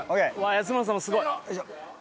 安村さんもすごい。